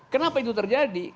kenapa itu terjadi